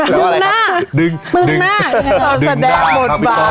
แล้วอะไรครับดึงหน้าดึงดึงหน้าดึงหน้าครับพี่ต้อม